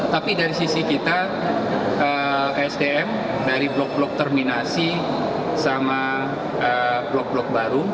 tapi dari sisi kita sdm dari blok blok terminasi sama blok blok baru